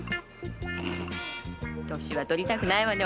歳は取りたくないわね。